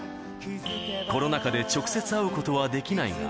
コロナ禍で直接会うことはできないが。